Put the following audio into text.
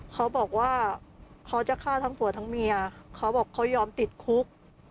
เขาบอกว่าเขาจะฆ่าทั้งผัวทั้งเมียเขาบอกเขายอมติดคุก